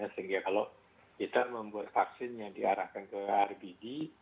sehingga kalau kita membuat vaksin yang diarahkan ke rbd